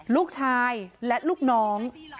ลูกชายและลูกน้อง